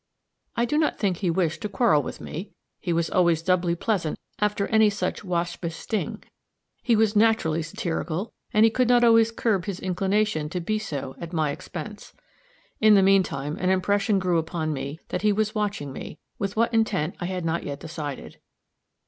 I do not think he wished to quarrel with me; he was always doubly pleasant after any such waspish sting; he was naturally satirical, and he could not always curb his inclination to be so at my expense. In the mean time an impression grew upon me that he was watching me with what intent I had not yet decided.